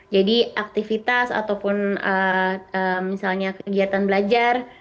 jadi aktivitas ataupun misalnya kegiatan belajar